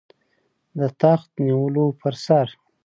د تخت نیولو پر سر.